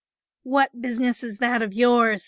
"What business is that of yours?"